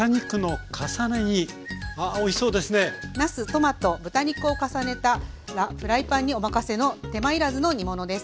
トマト豚肉を重ねたらフライパンにおまかせの手間いらずの煮物です。